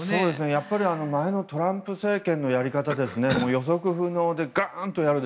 やっぱり前のトランプ政権のやり方は予測不能で、ガーン！とやる。